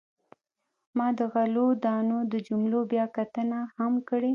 ما د غلو دانو د جملو بیاکتنه هم کړې.